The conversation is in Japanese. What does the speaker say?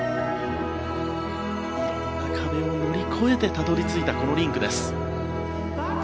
いろいろな壁を乗り越えてたどり着いたリンクです。